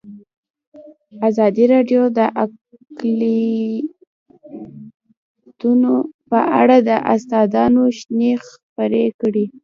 ازادي راډیو د اقلیتونه په اړه د استادانو شننې خپرې کړي.